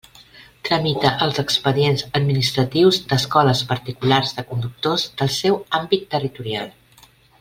Tramita els expedients administratius d'escoles particulars de conductors del seu àmbit territorial.